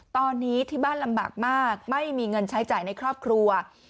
ตอนนี้ที่บ้านลำบากมากไม่มีเงินใช้จ่ายในครอบครัว